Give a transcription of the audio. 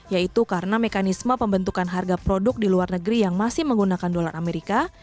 yaitu karena mekanisme pembentukan harga produk di luar negeri yang masih menggunakan dolar amerika